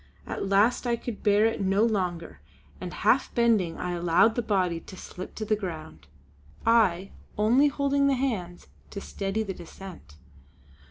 At last I could bear it no longer, and half bending I allowed the body to slip to the ground, I only holding the hands to steady the descent.